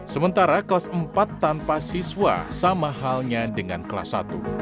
sementara kelas empat tanpa siswa sama halnya dengan kelas satu